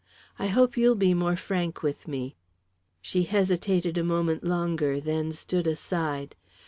I hope you'll be more frank with me." She hesitated a moment longer, then stood aside.